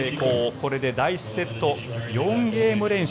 これで第１セット４ゲーム連取。